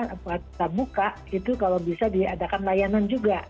atau setelah buka itu kalau bisa diadakan layanan juga